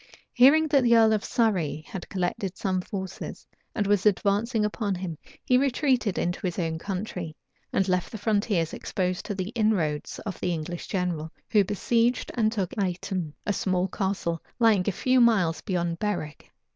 Hearing that the earl of Surrey had collected some forces, and was advancing upon him, he retreated into his own country, and left the frontiers exposed to the inroads of the English general, who besieged and took Aiton, a small castle lying a few miles beyond Berwick.